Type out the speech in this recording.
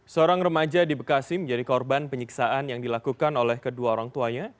seorang remaja di bekasi menjadi korban penyiksaan yang dilakukan oleh kedua orang tuanya